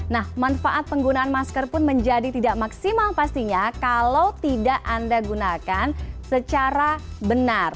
nah manfaat penggunaan masker pun menjadi tidak maksimal pastinya kalau tidak anda gunakan secara benar